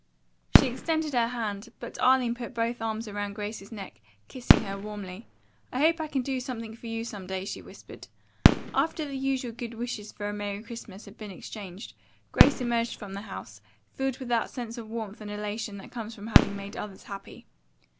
She extended her hand, but Arline put both arms around Grace's neck, kissing her warmly. "I hope I can do something for you some day," she whispered. After the usual good wishes for a Merry Christmas had been exchanged, Grace emerged from the house, filled with that sense of warmth and elation that comes from having made others happy.